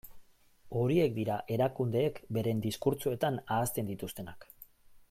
Horiek dira erakundeek beren diskurtsoetan ahazten dituztenak.